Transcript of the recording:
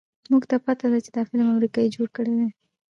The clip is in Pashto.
مونږ ته پته ده چې دا فلم امريکې جوړ کړے دے